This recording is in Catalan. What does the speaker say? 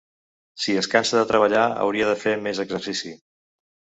Si es cansa de treballar hauria de fer més exercici.